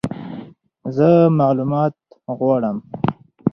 زه مالومات غواړم !